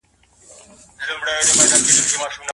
خاوند او ميرمن صميمي ژوند کولو ته پريږدئ.